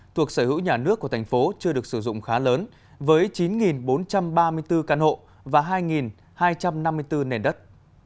thuộc sở hữu nhà nước của thành phố chưa được sử dụng khá lớn với chín bốn trăm ba mươi bốn căn hộ và hai hai trăm năm mươi bốn nền đất